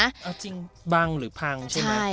เอาจริงบังหรือพังใช่ไหม